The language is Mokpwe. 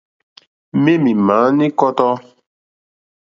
Mɛ̄ mì màá ní kɔ́tɔ́.